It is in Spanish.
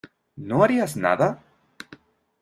¿ no harías nada?